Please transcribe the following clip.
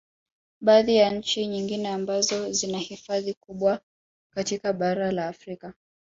Baadhi ya nchi nyingine ambazo zina hifadhi kubwa katika bara la Afrika